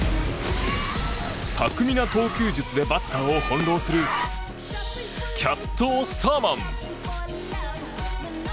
巧みな投球術でバッターを翻ろうするキャット・オスターマン。